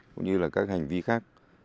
cũng như là các hành vi khác